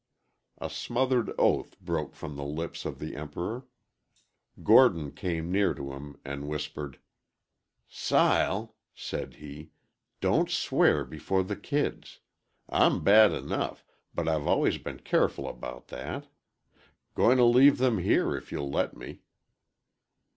A smothered oath broke from the lips of the Emperor. Gordon came near to him and whispered: "Sile," said he, "don't swear before the kids. I'm bad enough, but I've always been careful about that. Going to leave 'em here if you'll let me."